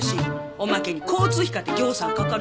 おまけに交通費かてぎょうさん掛かるし。